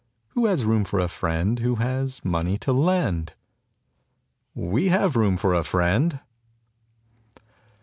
Who has room for a friend Who has money to lend? We have room for a friend!